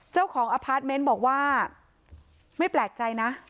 อพาร์ทเมนต์บอกว่าไม่แปลกใจนะ